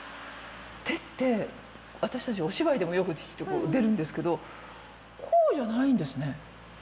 手って私たちお芝居でもよく出るんですけどこうじゃないんですね。